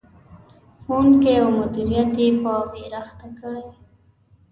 ښوونکي او مدیریت یې په ویر اخته کړي.